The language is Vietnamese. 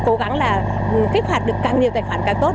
cố gắng là kích hoạt được càng nhiều tài khoản càng tốt